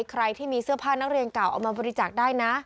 ใครที่มีเสื้อผ้านักเรียนเก่าเอามาบริจาคได้นะ